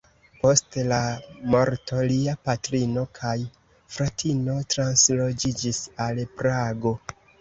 Post la morto, lia patrino kaj fratino transloĝiĝis al Prago.